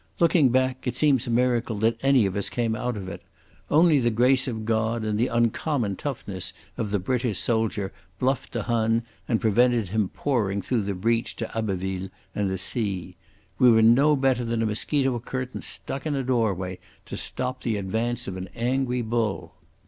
Looking back, it seems a miracle that any of us came out of it. Only the grace of God and the uncommon toughness of the British soldier bluffed the Hun and prevented him pouring through the breach to Abbeville and the sea. We were no better than a mosquito curtain stuck in a doorway to stop the advance of an angry bull.